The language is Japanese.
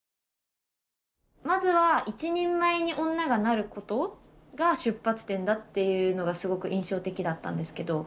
まずは一人前に女がなることが出発点だというのがすごく印象的だったんですけど。